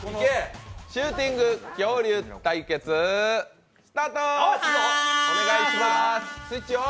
シューティング恐竜対決スタート。